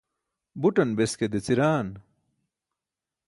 butan beske deciraan